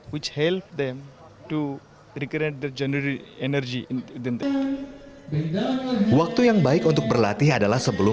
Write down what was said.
which help them to the general energy in the end waktu yang baik untuk berlatih adalah sebelum